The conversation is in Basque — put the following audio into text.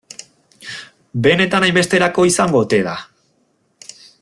Benetan hainbesterako izango ote da?